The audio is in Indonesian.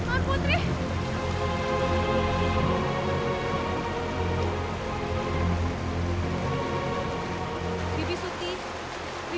aku akan membunuhmu